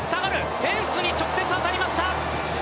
フェンスに直接当たりました！